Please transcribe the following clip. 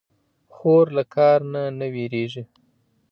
خور له کار نه نه وېرېږي.